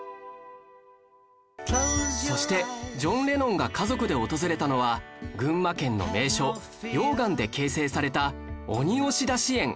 そしてジョン・レノンが家族で訪れたのは群馬県の名所溶岩で形成された鬼押出し園